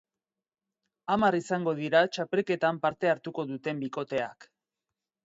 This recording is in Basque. Hamar izango dira txapelketan parte hartuko duten bikoteak.